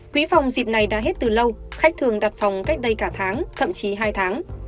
quỹ phòng dịp này đã hết từ lâu khách thường đặt phòng cách đây cả tháng thậm chí hai tháng